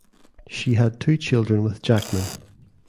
She had two children with Jackman.